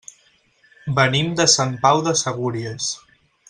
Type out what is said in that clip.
Venim de Sant Pau de Segúries.